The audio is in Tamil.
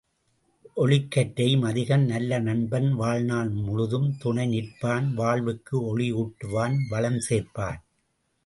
ஒளிக்கற்றையும் அதிகம் நல்ல நண்பன் வாழ்நாள் முழுதும் துணை நிற்பான் வாழ்வுக்கு ஒளியூட்டுவான் வளம் சேர்ப்பான்!